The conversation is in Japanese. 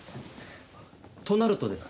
となるとですね。